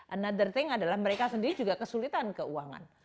another thing adalah mereka sendiri juga kesulitan keuangan